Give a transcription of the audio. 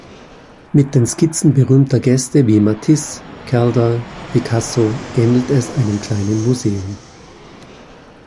Mit den Skizzen berühmter Gäste wie Matisse, Calder, Picasso ähnelt es einem kleinen Museum.